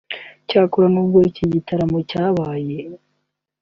Icyakora nubwo iki gitaramo cyabaye